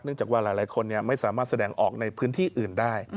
จากว่าหลายคนไม่สามารถแสดงออกในพื้นที่อื่นได้